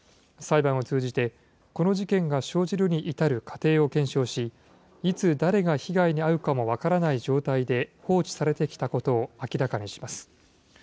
裁判を通じて、この事件が生じるに至る過程を検証し、いつ誰が被害に遭うかも分からない状態で放置されてきたことを、明らかにします。